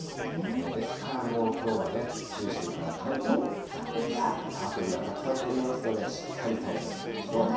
ですからもう、きょうはね、九州から関東、スギ花粉がたくさん飛びますので、しっかり対策しましょう。